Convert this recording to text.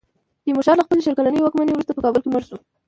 تیمورشاه له خپلې شل کلنې واکمنۍ وروسته په کابل کې مړ شو.